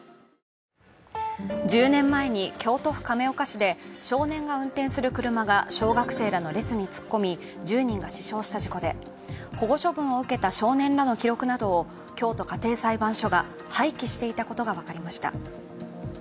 １０年前に京都府亀岡市で少年が運転する車が小学生らの列に突っ込み１０人が死傷した事故で、保護処分を受けた少年らの記録などを京都家庭裁判所が廃棄していたことが分かりました。